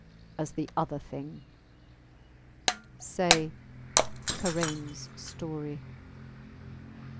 . as the other thing ... say, Karains story.